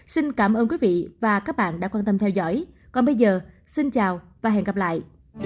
xin cảm ơn quý vị và các bạn đã quan tâm theo dõi còn bây giờ xin chào và hẹn gặp lại